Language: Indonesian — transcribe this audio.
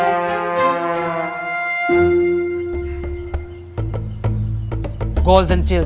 golden child kemudian dihanyutkan ke sungai sampai cibarengko